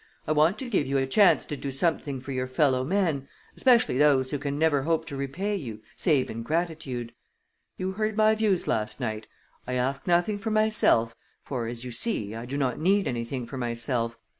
I want to give you a chance to do something for your fellow men, especially those who can never hope to repay you save in gratitude. You heard my views last night. I ask nothing for myself, for, as you see, I do not need anything for myself.